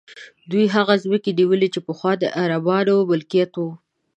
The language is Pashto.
دوی هغه ځمکې نیولي چې پخوا د عربانو ملکیت وې.